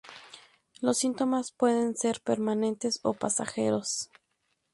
Los síntomas pueden ser permanentes o pasajeros.